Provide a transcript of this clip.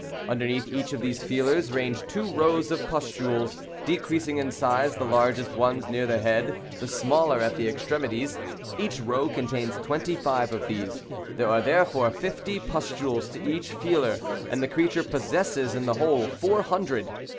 Underneath each of these feelers range two rows of pustules, decreasing in size, the largest ones near the head, the smaller at the extremities. Each row contains twenty five of these. There are, therefore, fifty pustules to each feeler, and the creature possesses in the whole four hundred.